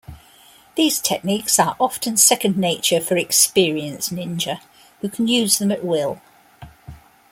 These techniques are often second-nature for experienced ninja, who can use them at will.